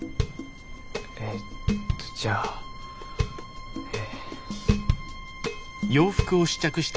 えっとじゃあえ。